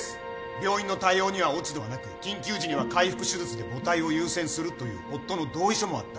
病院の対応には落ち度はなく緊急時には開腹手術で母体を優先するという夫の同意書もあった。